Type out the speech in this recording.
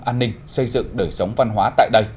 an ninh xây dựng đời sống văn hóa tại đây